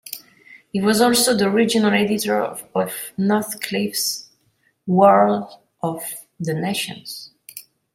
He was also the original editor of Northcliffe's "War of the Nations".